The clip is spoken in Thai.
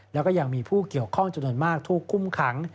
แล้วก็ยังมีผู้เกี่ยวข้องจำนวนมากถูกคุมขัง